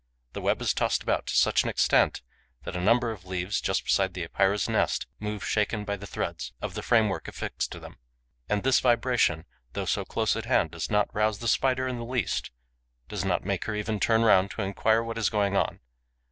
The web is tossed about to such an extent that a number of leaves, just beside the Epeira's nest, move, shaken by the threads of the framework affixed to them. And this vibration, though so close at hand, does not rouse the Spider in the least, does not make her even turn round to enquire what is going on.